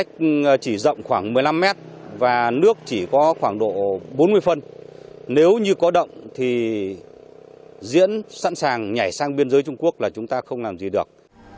có động thì diễn sẵn sàng nhảy sang biên giới trung quốc là chúng ta không làm gì được